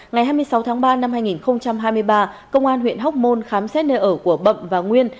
ngày hai mươi sáu tháng ba năm hai nghìn hai mươi ba công an huyện hóc môn khám xét nơi ở của bậm và nguyên